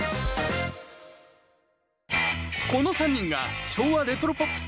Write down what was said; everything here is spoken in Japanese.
この３人が昭和レトロポップスを体感。